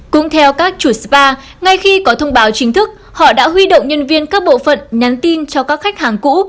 cũng theo các chủ spa ngay khi có thông báo chính thức họ đã huy động nhân viên các bộ phận nhắn tin cho các khách hàng cũ